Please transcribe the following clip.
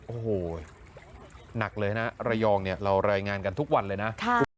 โอ้โหหนักเลยนะระยองเนี่ยเรารายงานกันทุกวันเลยนะ